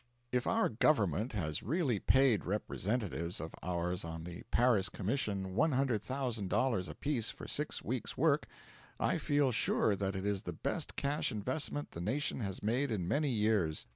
If our Government has really paid representatives of ours on the Paris Commission $100,000 apiece for six weeks' work, I feel sure that it is the best cash investment the nation has made in many years.